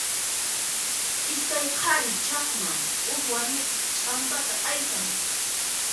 Iskay qhari chaqman, huk warmitaq ch'ampata aysan.